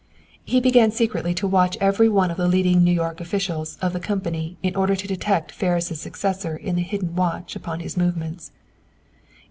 He began to secretly watch every one of the leading New York officials of the company in order to detect Ferris' successor in the hidden watch upon his movements.